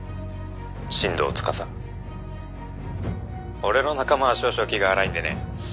「俺の仲間は少々気が荒いんでね」